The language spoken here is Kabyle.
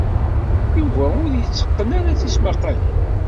Yuba ur yetteqqen ara tismaqqalin.